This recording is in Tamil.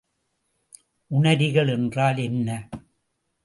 உணரிகள் என்றால் என்ன?